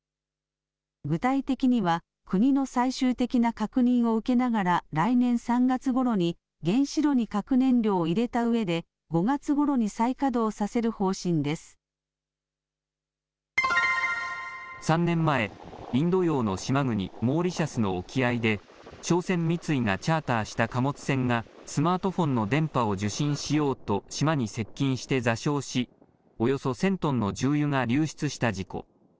具体的には、国の最終的な確認を受けながら、来年３月ごろに、原子炉に核燃料を入れたうえで、３年前、インド洋の島国、モーリシャスの沖合で、商船三井がチャーターした貨物船が、スマートフォンの電波を受信しようと島に接近して座礁し、およそ１０００トンの重油が流出した事故。